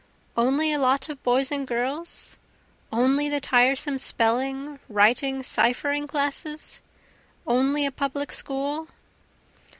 Only a lot of boys and girls? Only the tiresome spelling, writing, ciphering classes? Only a public school?